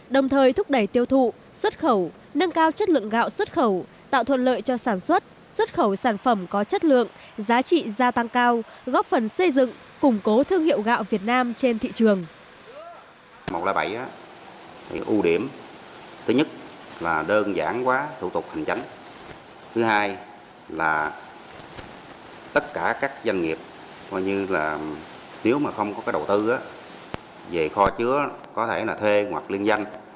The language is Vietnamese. đồng thời thúc đẩy tiêu thụ xuất khẩu nâng cao chất lượng gạo xuất khẩu tạo thuận lợi cho sản xuất xuất khẩu sản phẩm có chất lượng giá trị gia tăng cao góp phần xây dựng củng cố thương hiệu gạo việt nam trên thị trường